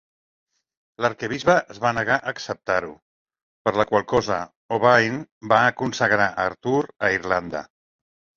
L'arquebisbe es va negar a acceptar-ho, per la qual cosa Owain va consagrar a Arthur a Irlanda.